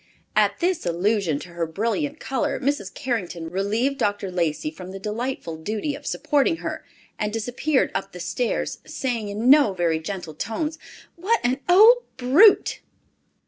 At this allusion to her brilliant color, Mrs. Carrington relieved Dr. Lacey from the delightful duty of supporting her, and disappeared up the stairs, saying in no very gentle tones, "What an old brute!"